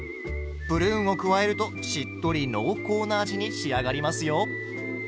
プルーンを加えるとしっとり濃厚な味に仕上がりますよ。